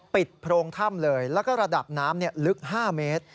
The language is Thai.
โพรงถ้ำเลยแล้วก็ระดับน้ำลึก๕เมตร